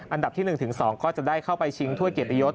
อันดับที่๑๒ก็จะได้เข้าไปชิงถ้วยเกียรติยศ